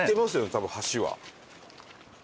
多分橋は。